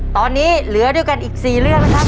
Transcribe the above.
ตอนนี้เหลือด้วยกันอีก๔เรื่องนะครับ